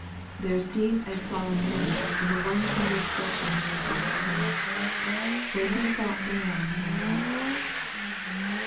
There is deep and solemn meaning in the one single expression used about him " when he thought thereon he wept."